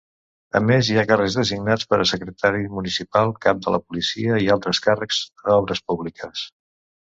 A més, hi ha càrrecs designats per a secretari municipal, cap de la policia i altres càrrecs d'obres públiques.